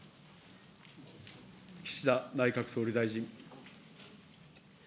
岸田内閣総理大臣。